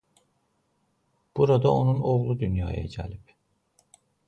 Burada onun oğlu dünyaya gəlib.